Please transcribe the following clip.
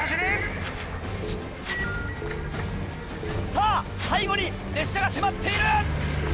さぁ背後に列車が迫っている！